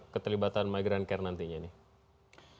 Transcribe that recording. keterlibatan migrant care nantinya nih